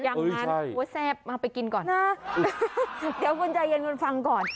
ยังงั้นโว้ยแซ่บมาไปกินก่อนนะอุ๊ยเดี๋ยวคุณใจเย็นคุณฟังก่อน